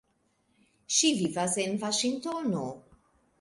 Ŝi vivas en Vaŝingtono.